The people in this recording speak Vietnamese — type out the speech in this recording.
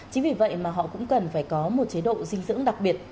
chính vì vậy mà họ cũng cần phải có một chế độ dinh dưỡng đặc biệt